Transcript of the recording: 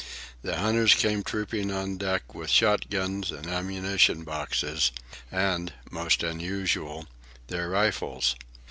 The hunters came trooping on deck with shot guns and ammunition boxes, and, most unusual, their rifles.